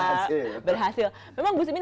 berhasil memang gus imin